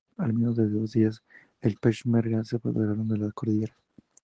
En menos de dos días, los Peshmerga se apoderaron de la cordillera.